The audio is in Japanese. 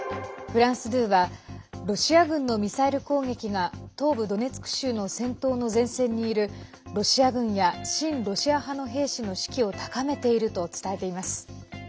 フランス２はロシア軍のミサイル攻撃が東部ドネツク州の戦闘の前線にいるロシア軍や親ロシア派の兵士の士気を高めていると伝えています。